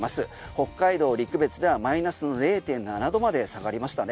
北海道陸別ではマイナスの０．７度まで下がりましたね。